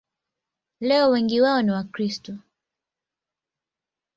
Leo wengi wao ni Wakristo.